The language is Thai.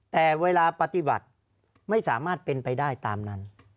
แต่เวลาปฏิบัติไม่สามารถเป็นไปได้ตามนั้น